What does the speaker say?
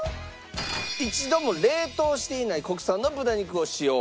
一度も冷凍していない国産の豚肉を使用。